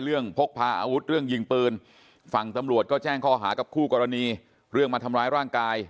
พกพาอาวุธเรื่องยิงปืนฝั่งตำรวจก็แจ้งข้อหากับคู่กรณีเรื่องมาทำร้ายร่างกาย